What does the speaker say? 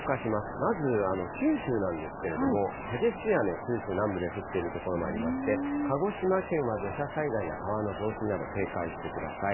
まず、九州なんですけれども、激しい雨、九州南部で降っている所もありまして、鹿児島県は土砂災害や川の増水など、警戒してください。